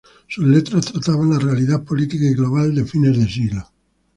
Sus letras trataban la realidad política y global de fines de siglo.